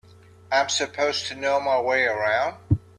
I'm supposed to know my way around.